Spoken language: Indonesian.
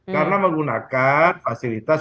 karena menggunakan fasilitas